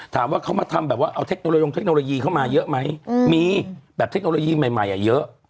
ถามว่าเขามาทำแบบว่าเอาเทคโนโลยงเทคโนโลยีเข้ามาเยอะไหมมีแบบเทคโนโลยีใหม่เยอะ